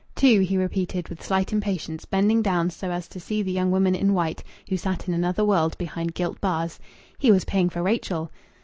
"Two!" he repeated, with slight impatience, bending down so as to see the young woman in white who sat in another world behind gilt bars. He was paying for Rachel!